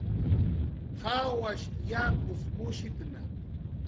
Jawash japus mushitna